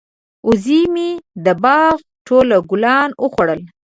وزه مې د باغ ټول ګلان وخوړل.